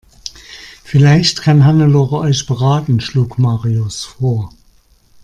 Vielleicht kann Hannelore euch beraten, schlug Marius vor.